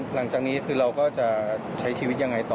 หลังจากนี้คือเราก็จะใช้ชีวิตยังไงต่อ